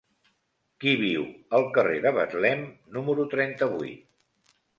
Qui viu al carrer de Betlem número trenta-vuit?